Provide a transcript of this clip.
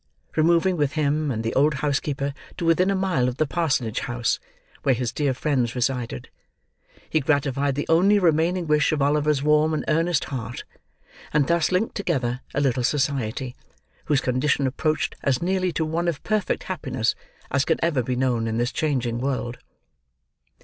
Removing with him and the old housekeeper to within a mile of the parsonage house, where his dear friends resided, he gratified the only remaining wish of Oliver's warm and earnest heart, and thus linked together a little society, whose condition approached as nearly to one of perfect happiness as can ever be known in this changing world.